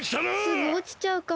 すぐおちちゃうかも。